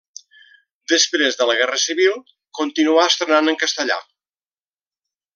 Després de la Guerra Civil continuà estrenant en castellà.